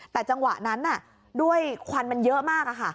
แต่จังหวะนั้นด้วยควันมันเยอะมาก